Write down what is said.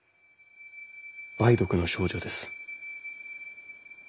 梅毒の症状です。